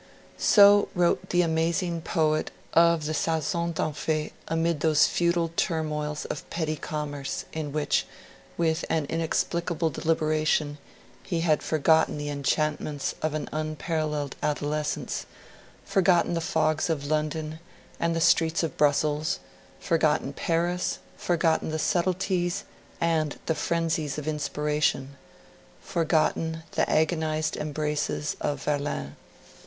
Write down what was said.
So wrote the amazing poet of the Saison d'Enfer amid those futile turmoils of petty commerce, in which, with an inexplicable deliberation, he had forgotten the enchantments of an unparalleled adolescence, forgotten the fogs of London and the streets of Brussels, forgotten Paris, forgotten the subtleties and the frenzies of inspiration, forgotten the agonised embraces of Verlaine.